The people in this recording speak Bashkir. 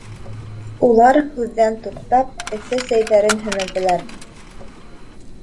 Улар, һүҙҙән туҡтап, эҫе сәйҙәрен һемерҙеләр.